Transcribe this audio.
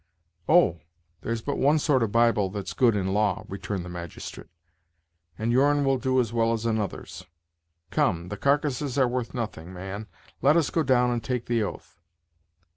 "Oh! there's but one sort of Bible that's good in law," returned the magistrate, "and your'n will do as well as another's. Come, the carcasses are worth nothing, man; let us go down and take the oath."